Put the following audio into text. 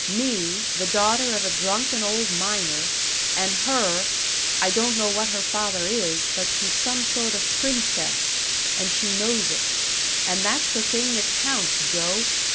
Me, the daughter of a drunken old miner, and her I don't know what her father is, but she's some sort of princess, and she knows it. And that's the thing that counts, Joe!